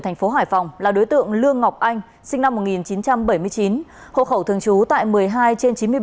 thành phố hải phòng là đối tượng lương ngọc anh sinh năm một nghìn chín trăm bảy mươi chín hộ khẩu thường trú tại một mươi hai trên chín mươi bảy